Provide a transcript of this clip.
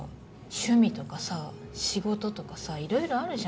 趣味とかさ仕事とかさいろいろあるじゃん。